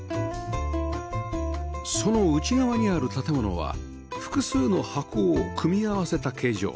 その内側にある建物は複数の箱を組み合わせた形状